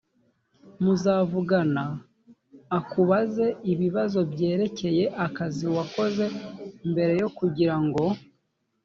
muzavugana akubaze ibibazo byerekeye akazi wakoze mbere kugirango